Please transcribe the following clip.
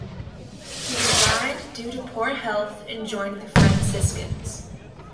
He resigned due to poor health and joined the Franciscans.